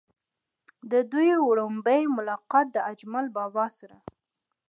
د دوي وړومبے ملاقات د اجمل بابا سره